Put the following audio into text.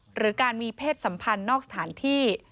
หรือการมีเพศสัมพันธ์นอกสถานที่